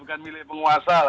bukan milih penguasa lah ya